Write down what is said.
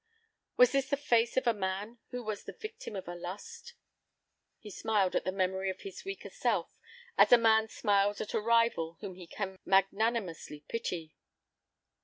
Was this the face of a man who was the victim of a lust? He smiled at the memory of his weaker self as a man smiles at a rival whom he can magnanimously pity.